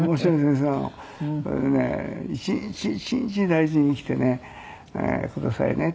それでね「一日一日大事に生きてくださいね」。